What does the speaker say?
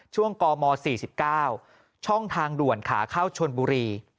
กม๔๙ช่องทางด่วนขาเข้าชนบุรี